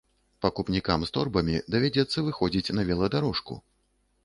Пакупнікам з торбамі давядзецца выходзіць на веладарожку.